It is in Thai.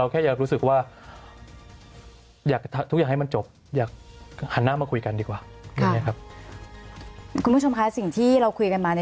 คุณผู้ชมคะสิ่งที่เราคุยกันมา